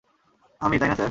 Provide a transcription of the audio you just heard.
আমি, তাই না, স্যার?